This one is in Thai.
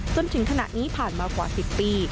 จนถึงขณะนี้ผ่านมากว่า๑๐ปี